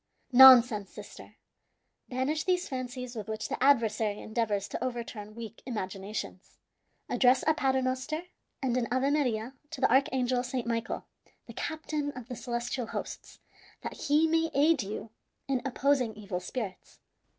"Nonsense, sister! Banish these fancies with which the adversary endeavors to overturn weak imaginations. Address a Paternoster and an Ave Maria to the archangel, Saint Michael, the captain of the celestial hosts, that he may aid you in opposing evil spirits.